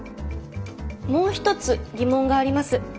もう一つ疑問があります。